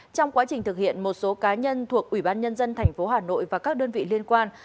trong quá trình thực hiện một số cá nhân thuộc ubnd tp hà nội và các đơn vị liên quan